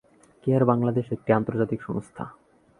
Care Bangladesh একটি আন্তর্জাতিক সংস্থা।